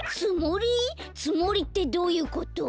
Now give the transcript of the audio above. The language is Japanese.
つもりってどういうこと？